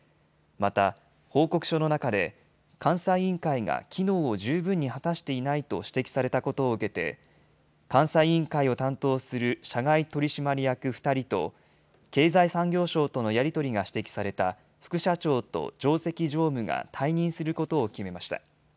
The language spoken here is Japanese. また報告書の中で監査委員会が機能を十分に果たしていないと指摘されたことを受けて監査委員会を担当する社外取締役２人と経済産業省とのやり取りが指摘された副社長と上席常務が退任することを決めました。